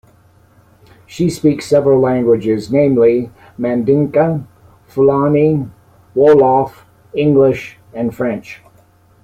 She speaks several languages, namely: Mandinka, Fulani, Wolof, English and French.